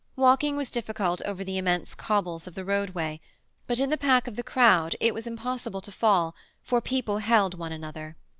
Walking was difficult over the immense cobbles of the roadway, but in the pack of the crowd it was impossible to fall, for people held one another.